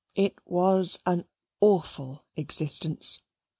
It was an awful existence.